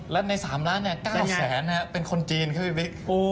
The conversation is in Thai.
และใน๓ล้านเนี่ย๙๐๐แสนเป็นคนจีนครับวิ๊บิ